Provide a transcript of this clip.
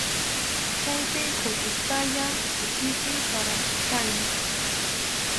Chaypi kʼuytuspalla sikipi pakakurqani.